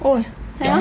ôi thấy không